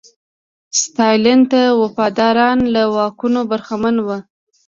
ستالین ته وفاداران له واکونو برخمن وو.